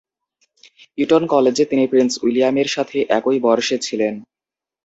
Eaton কলেজে তিনি prince উইলিয়ামের সাথে একই বর্ষে ছিলেন।